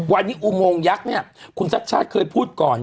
วันนี้อุโมงยักษ์เนี่ยคุณชัดชาติเคยพูดก่อน